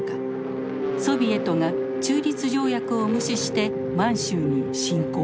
ソビエトが中立条約を無視して満州に侵攻。